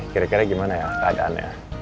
kira kira gimana ya keadaan ya